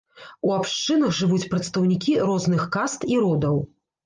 У абшчынах жывуць прадстаўнікі розных каст і родаў.